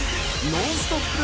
ノンストップ！